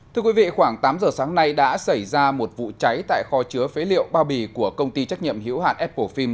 thưa quý vị khoảng tám giờ sáng nay đã xảy ra một vụ cháy tại kho chứa phế liệu bao bì của công ty trách nhiệm hiểu hạn apple phim